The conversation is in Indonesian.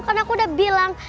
kan aku udah bilang